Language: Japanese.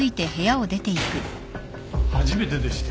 初めてでして。